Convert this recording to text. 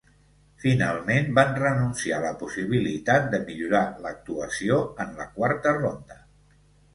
Finalment van renunciar a la possibilitat de millorar l'actuació en la quarta ronda.